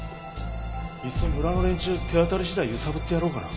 いっそ村の連中手当たり次第ゆさぶってやろうかな。